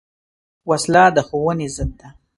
وسله د ښوونې ضد ده